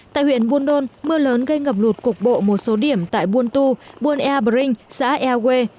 tại huyện buôn đôn mưa lớn gây ngập lụt cục bộ một số điểm tại buôn tu buôn ea bờ rinh xã ea quê